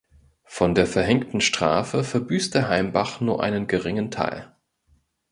Von der verhängten Strafe verbüßte Heimbach nur einen geringen Teil.